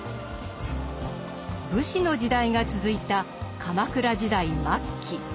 武士の時代が続いた鎌倉時代末期。